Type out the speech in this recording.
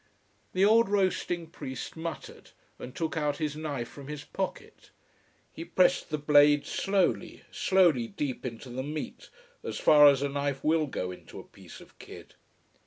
The old roasting priest muttered, and took out his knife from his pocket. He pressed the blade slowly, slowly deep into the meat: as far as a knife will go in a piece of kid.